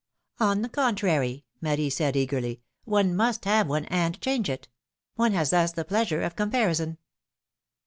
^^On the contrary," Marie said, eagerly, ^^one must have one, and change it ! One has thus the pleasure of com parison